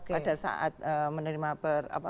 pada saat menerima